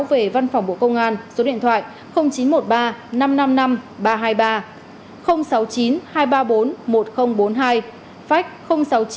về văn phòng bộ công an số điện thoại chín trăm một mươi ba năm trăm năm mươi năm ba trăm hai mươi ba sáu mươi chín hai trăm ba mươi bốn một nghìn bốn mươi hai phách sáu mươi chín hai trăm ba mươi bốn một nghìn bốn mươi bốn